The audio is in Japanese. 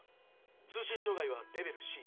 通信障害はレベルＣ。